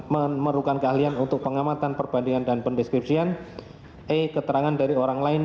memerlukan keahlian untuk pengamatan perbandingan dan pendeskripsian e keterangan dari orang lain